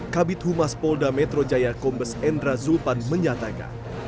kabit humas polda metro jaya kombes endra zulpan menyatakan